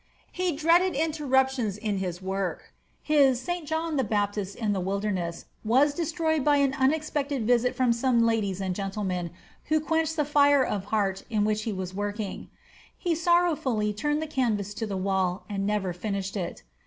He dreaded interruptions in his work. His "St. John the Baptist in the Wilderness" was destroyed by an unexpected visit from some ladies and gentlemen, who quenched the fire of heart in which he was working. He sorrowfully turned the canvas to the wall, and never finished it.